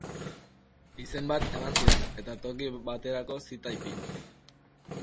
Izen bat eman zidan, eta toki baterako zita ipini.